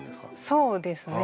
そうですね。